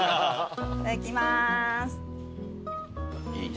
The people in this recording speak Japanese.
いただきます。